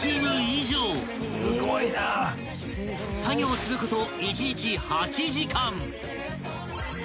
［作業すること一日８時間］